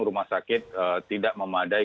rumah sakit tidak memadai